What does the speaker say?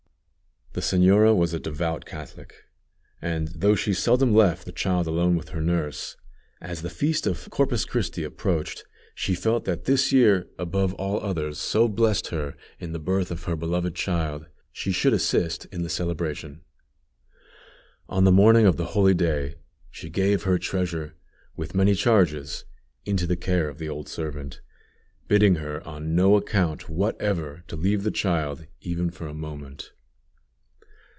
_] The señora was a devout Catholic, and, though she seldom left the child alone with her nurse, as the feast of Corpus Christi approached, she felt that this year, above all others so blessed to her in the birth of her beloved child, she should assist in the celebration. On the morning of the holy day, she gave her treasure, with many charges, into the care of the old servant, bidding her on no account whatever to leave the child, even for a moment.